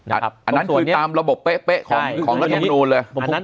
อันนั้นคือตามระบบเป๊ะของรัฐมนูลเลย